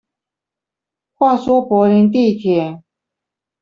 話說柏林地鐵